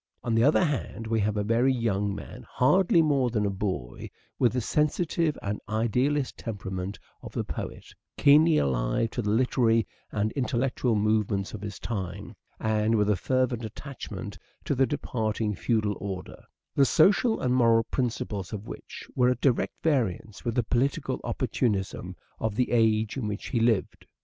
On the other hand we have a very young man, hardly more than a boy, with the sensitive and idealist temperament of the poet, keenly alive to the literary and intellectual movements of his time, and with a fervent attachment to the departing feudal order, the social and moral principles of which were at direct variance with the political opportunism of the age in which he lived.